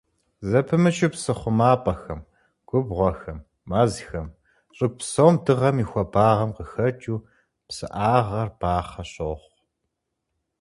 Зэпымычу псы хъумапӀэхэм, губгъуэхэм, мэзхэм, щӀыгу псом дыгъэм и хуабагъэм къыхэкӀыу псыӀагъэр бахъэ щохъу.